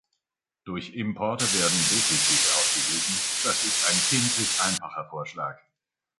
Durch Importe werden Defizite ausgeglichen, das ist ein kindlich einfacher Vorschlag.